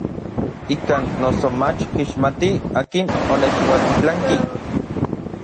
Ikan noso mach kixmatij akin onechualtitlanki.